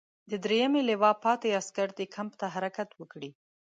د دریمې لواء پاتې عسکر دې کمپ ته حرکت وکړي.